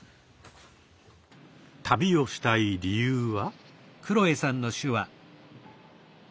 旅をしたい理由は？